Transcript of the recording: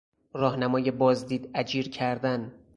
راهنمای بازدید اجیر کردن